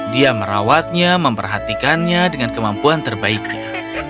dia merawatnya memperhatikannya dengan kemampuan terbaiknya